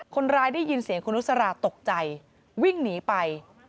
ได้ยินเสียงคุณนุษราตกใจวิ่งหนีไป